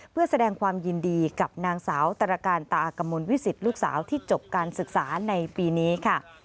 เพื่อแสดงความยินดีกับนางสาวตรการตากมลวิสิตลูกสาวที่จบการศึกษาในปีนี้ค่ะ